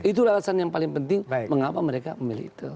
itu alasan yang paling penting mengapa mereka memilih itu